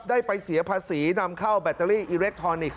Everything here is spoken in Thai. ได้ไปเสียภาษีนำเข้าแบตเตอรี่อิเล็กทรอนิกส์